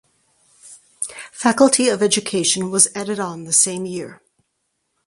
Faculty of Education was added on the same year.